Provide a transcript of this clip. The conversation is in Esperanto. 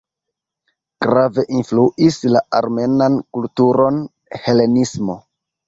Grave influis la armenan kulturon helenismo.